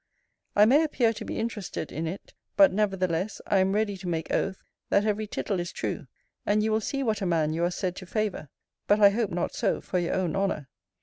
I may appear to be interested in it: but, neverthelesse, I am reddie to make oathe, that every tittle is true: and you will see what a man you are sed to favour. But I hope not so, for your owne honour.